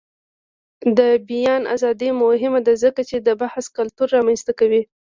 د بیان ازادي مهمه ده ځکه چې د بحث کلتور رامنځته کوي.